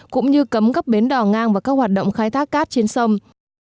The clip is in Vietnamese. cũng như cấm các bến đò ngang và các hoạt động khai thác cát trên sông